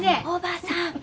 おばさん！